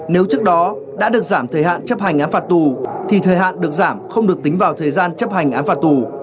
nếu trước đó đã được giảm thời hạn chấp hành án phạt tù thì thời hạn được giảm không được tính vào thời gian chấp hành án phạt tù